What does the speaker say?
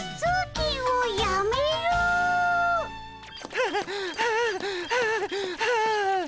はあはあはあはあ。